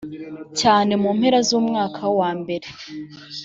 cyane mu mpera z umwaka wa mbere